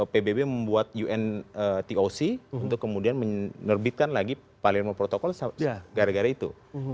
pbb membuat untoc untuk kemudian menerbitkan lagi palermo protocol gara gara itu